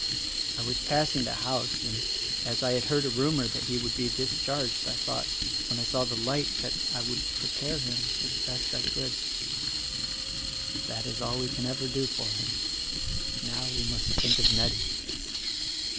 "I was passing the house, and as I had heard a rumor that he would be discharged I thought — when I saw tha light — that I would prepare him as best I could. But th* is all we can ever do for him. Now, we must think of Nettie."